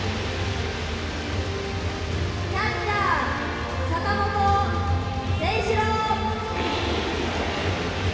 キャッチャー、坂本誠志郎。